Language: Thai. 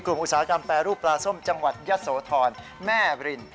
อุตสาหกรรมแปรรูปปลาส้มจังหวัดยะโสธรแม่ริน